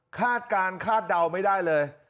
คาดการณ์คาดเดาไม่ได้เลย